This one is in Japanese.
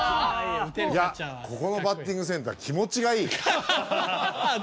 いやここのバッティングセンター気持ちがいいあっ